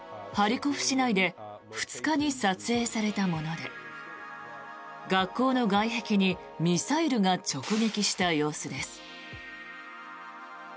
ハリコフ市内で２日に撮影されたもので学校の外壁にミサイルが直撃した様子です。